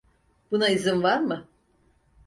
Buna izin var mı?